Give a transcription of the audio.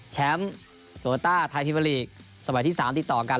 แชมป์โลต้าไทยพิมาลีกสมัยที่๓ติดต่อกัน